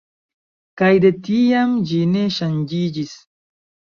Kaj de tiam, ĝi ne ŝanĝiĝis.